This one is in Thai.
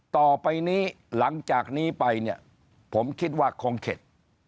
ต่อไปนี้หลังจากนี้ไปเนี่ยผมคิดว่าคงเข็ด